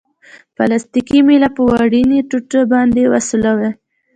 پلاستیکي میله په وړیني ټوټې باندې وسولوئ.